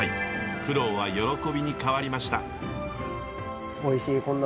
苦労は喜びに変わりました。